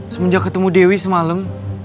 semenjak ketemu dewi semalam